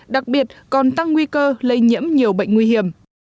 đặc biệt còn tăng nguy cơ lây nhiễm nhiều bệnh nguy hiểm